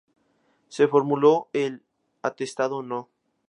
Se formuló el Atestado No.